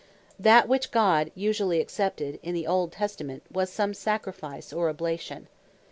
That which God usually accepted in the Old Testament, was some Sacrifice, or Oblation.